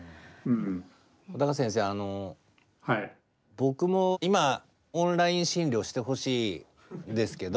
僕も今オンライン診療してほしいんですけど。